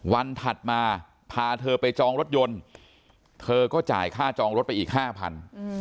ถัดมาพาเธอไปจองรถยนต์เธอก็จ่ายค่าจองรถไปอีกห้าพัน